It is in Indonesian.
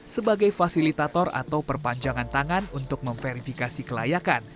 sebagai fasilitator atau perpanjangan tangan untuk memverifikasi kelayakan